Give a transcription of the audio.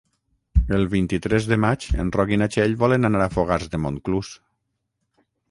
El vint-i-tres de maig en Roc i na Txell volen anar a Fogars de Montclús.